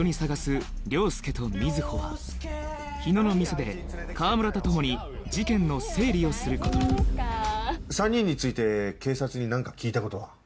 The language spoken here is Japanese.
日野の店で河村とともに事件の整理をすることに３人について警察に何か聞いたことは？